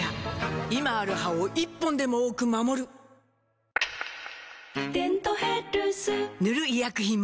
今ある歯を１本でも多く守る「デントヘルス」塗る医薬品も